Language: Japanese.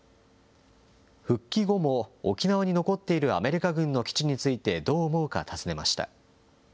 復帰後も沖縄に残っているアメリカ軍の基地についてどう思うか尋ねました。